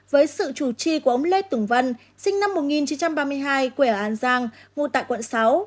với sự chủ trì của ông lê tửng vân sinh năm một nghìn chín trăm ba mươi hai quẻ ở an giang ngụ tại quận sáu